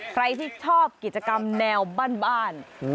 ใครที่ชอบกิจกรรมแนวบ้าน